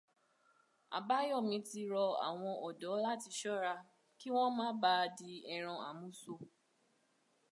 Àbáyọ̀mí ti rọ àwọn ọ̀dọ́ láti ṣọ́ra, ki wọ́n má baà di ẹran àmúso